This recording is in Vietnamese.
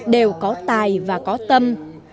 đều có tài và có tâm